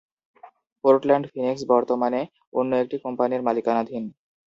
"Portland Phoenix" বর্তমানে অন্য একটি কোম্পানির মালিকানাধীন।